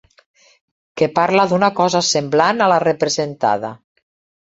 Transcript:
Que parla d'una cosa semblant a la representada.